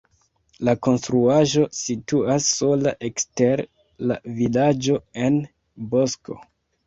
La konstruaĵo situas sola ekster la vilaĝo en bosko.